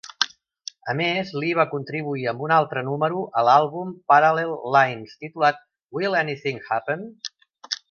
A més, Lee va contribuir amb un altre número a l'àlbum "Parallel Lines" titulat "Will Anything Happen?".